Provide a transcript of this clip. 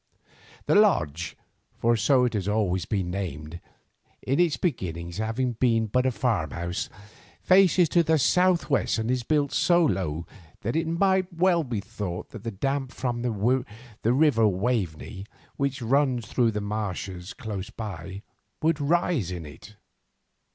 The Lodge, for so it has always been named, in its beginnings having been but a farmhouse, faces to the south west, and is built so low that it might well be thought that the damp from the river Waveney, which runs through the marshes close by, would rise in it.